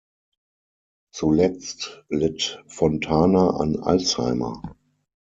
Zuletzt litt Fontana an Alzheimer.